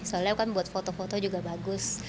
soalnya kan buat foto foto juga bagus